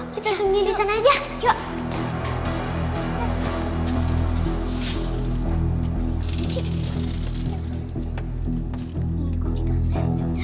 kita harus sembunyi di sana aja